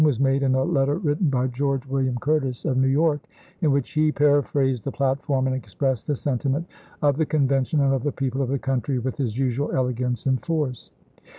was made in a letter written by George William Curtis of New York, in which he paraphrased the platform and expressed the sentiment of the Convention and of the people of the country with his usual elegance and force.